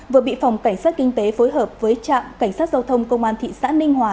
vừa bị phòng cảnh sát kinh tế phối hợp với trạm cảnh sát giao thông công an thị xã ninh hòa